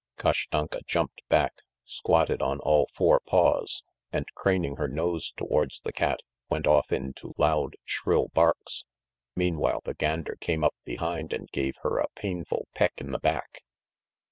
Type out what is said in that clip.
Kashtanka jumped back, squatted on all four paws, and craning her nose towards the cat, went off into loud, shrill barks; meanwhile the gander came up behind and gave her a painful peck in the back.